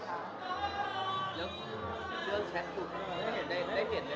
และเรื่องแชทวูกได้เห็นไหมคะ